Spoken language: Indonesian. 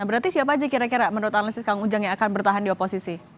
berarti siapa aja kira kira menurut analisis kang ujang yang akan bertahan di oposisi